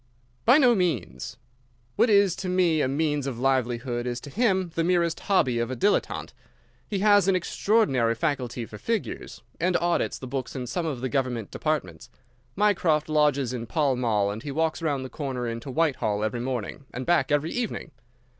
"By no means. What is to me a means of livelihood is to him the merest hobby of a dilettante. He has an extraordinary faculty for figures, and audits the books in some of the government departments. Mycroft lodges in Pall Mall, and he walks round the corner into Whitehall every morning and back every evening.